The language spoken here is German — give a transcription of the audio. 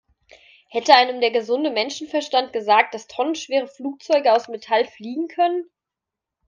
Hätte einem der gesunde Menschenverstand gesagt, dass tonnenschwere Flugzeuge aus Metall fliegen können?